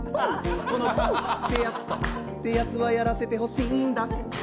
このポーってやつとアッてやつはやらせてほしいんだ。